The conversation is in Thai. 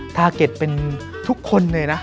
ทาเก็ตเป็นทุกคนเลยนะ